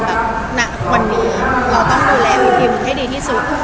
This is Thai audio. หนักควรดีเราต้องดูแลวิธีมันให้ดีที่สุด